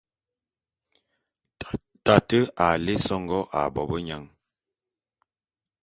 Tate a lé songó ā bobenyang.